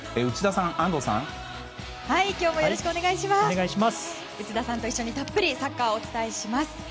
内田さんと一緒にたっぷりサッカーをお伝えします。